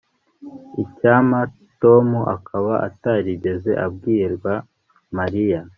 Icyampa Tom akaba atarigeze abibwira Mariya